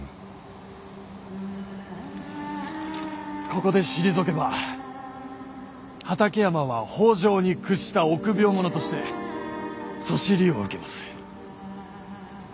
ここで退けば畠山は北条に屈した臆病者としてそしりを受けます。